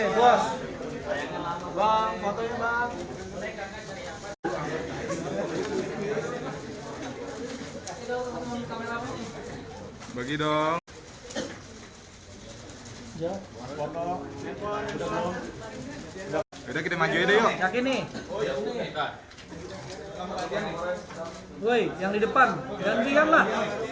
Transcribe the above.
jangan biar lah